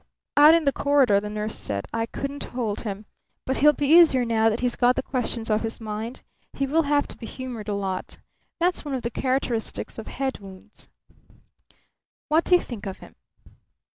Out in the corridor the nurse said: "I couldn't hold him. But he'll be easier now that he's got the questions off his mind. He will have to be humoured a lot. That's one of the characteristics of head wounds." "What do you think of him?"